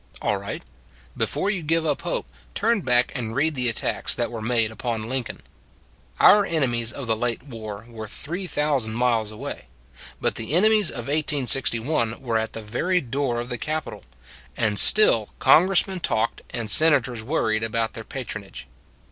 All right. Before you give up hope, turn back and read the attacks that were made upon Lincoln. Our enemies of the late war were three thousand miles away; but the enemies of 1 86 1 were at the very door of the Capital; and still Congressmen talked and Senators worried about their patronage.